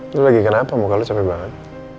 lu lagi kenapa muka lu capek banget